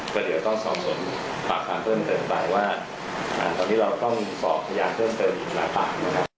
แต่เดี๋ยวต้องส่องสนภาพความเพิ่มเติมไปว่าตอนนี้เราต้องสอบทะยานเพิ่มเติมอีกหลักหลัก